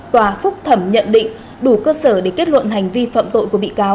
tòa phúc thẩm nhận định đủ cơ sở để kết luận hành vi phạm tội của bị cáo